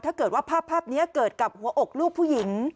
ถ้าเกิดว่าภาพนี้เกิดกับหัวอกลูกผู้หญิง